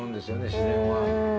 自然は。